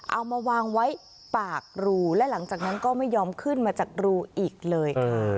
เอามาวางไว้ปากรูและหลังจากนั้นก็ไม่ยอมขึ้นมาจากรูอีกเลยค่ะ